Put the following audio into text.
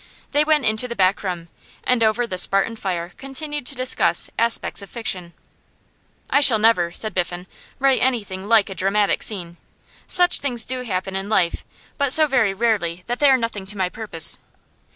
They went into the back room, and over the Spartan fare continued to discuss aspects of fiction. 'I shall never,' said Biffen, 'write anything like a dramatic scene. Such things do happen in life, but so very rarely that they are nothing to my purpose.